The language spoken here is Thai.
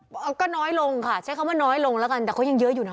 ก็น้อยลงค่ะใช้คำว่าน้อยลงแล้วกันแต่เขายังเยอะอยู่นะ